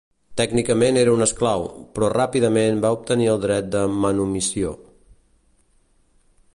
Tècnicament era un esclau, però ràpidament va obtenir el dret de manumissió.